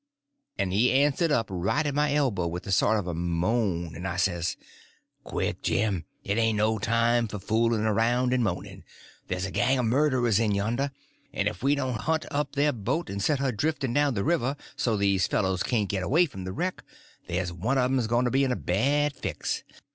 and he answered up, right at my elbow, with a sort of a moan, and I says: "Quick, Jim, it ain't no time for fooling around and moaning; there's a gang of murderers in yonder, and if we don't hunt up their boat and set her drifting down the river so these fellows can't get away from the wreck there's one of 'em going to be in a bad fix.